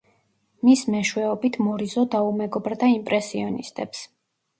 მის მეშვეობით მორიზო დაუმეგობრდა იმპრესიონისტებს.